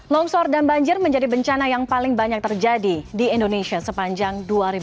longsor dan banjir menjadi bencana yang paling banyak terjadi di indonesia sepanjang dua ribu dua puluh